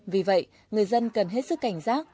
vì vậy người dân cần hết sức cảnh giác